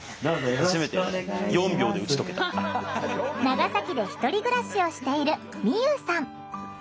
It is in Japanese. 長崎で１人暮らしをしているみゆうさん。